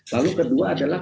lalu kedua adalah